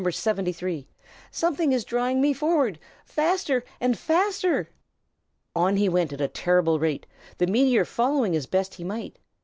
73. "Something is drawing me forward, faster and faster!" On he went at a terrible rate, the meteor following as best he might.